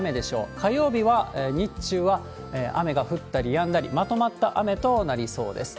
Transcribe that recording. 火曜日は日中は雨が降ったりやんだり、まとまった雨となりそうです。